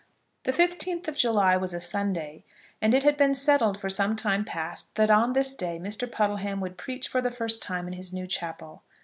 The fifteenth of July was a Sunday, and it had been settled for some time past that on this day Mr. Puddleham would preach for the first time in his new chapel.